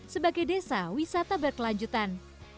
sebagai desa wisata berkelanjutan